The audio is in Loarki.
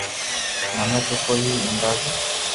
مني تو ڪوئي ھي اندازي